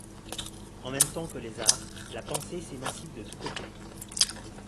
En même temps que les arts, la pensée s'émancipe de tous côtés.